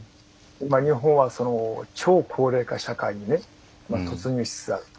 日本は超高齢化社会に突入しつつあると。